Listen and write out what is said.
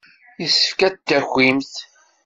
Yessefk ad d-takimt.